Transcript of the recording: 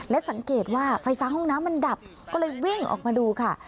และสังเกตว่าไฟฟ้าห้องน้ำมันดับก็เลยวิ่งออกมาดูค่ะ